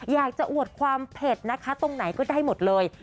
อวดความเผ็ดนะคะตรงไหนก็ได้หมดเลย